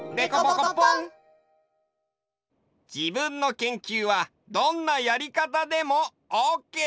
自分の研究はどんなやりかたでもオッケー！